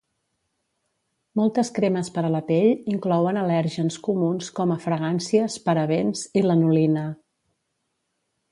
Moltes cremes per a la pell inclouen al·lèrgens comuns com a fragàncies, parabens i lanolina.